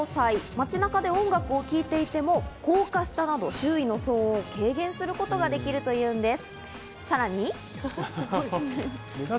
街中で音楽を聴いていても、高架下など周囲の騒音を軽減することができるというんです。